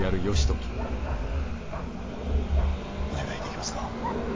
お願いできますか。